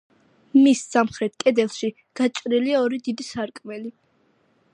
მის სამხრეთ კედელში გაჭრილია ორი დიდი სარკმელი.